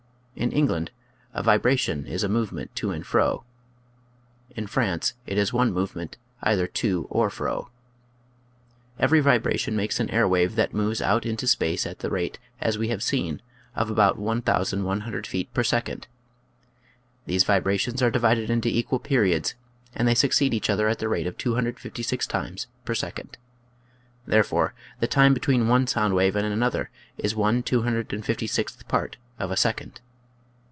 (In England a " vibration " is a movement to and fro. In France, it is one movement either to or fro.) Every vibration makes an air wave that moves out into space at the rate, as we have seen, of about 1,100 feet per second. These vibrations are divided into equal periods and they suc ceed each other at the rate of 256 times per second. Therefore the time between one sound wave and another is one two hundred and fifty sixth part of a second.